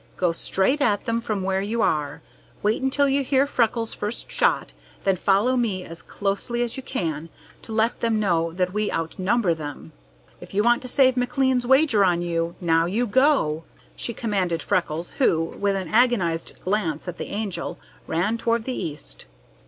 "Go straight at them from where you are. Wait until you hear Freckles' first shot, then follow me as closely as you can, to let them know that we outnumber them. If you want to save McLean's wager on you, now you go!" she commanded Freckles, who, with an agonized glance at the Angel, ran toward the east.